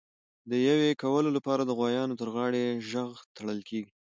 د یویې کولو لپاره د غوایانو تر غاړي ژغ تړل کېږي.